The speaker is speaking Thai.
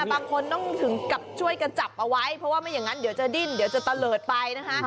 บางคนต้องถึงกับช่วยกันจับเอาไว้เพราะว่าไม่อย่างนั้นเดี๋ยวจะดิ้นเดี๋ยวจะตะเลิศไปนะคะ